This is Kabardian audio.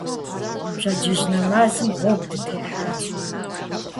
Пщэдджыжь нэмэзым гъуэгу дытехьащ.